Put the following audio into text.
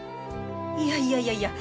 いやいやいやいや。